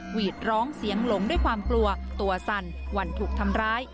หวีดร้องเสียงหลงด้วยความกลัวตัวสั่นวันถูกทำร้าย